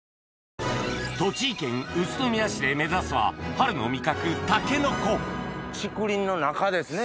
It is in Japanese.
栃木県宇都宮市で目指すは春の味覚タケノコ竹林の中ですね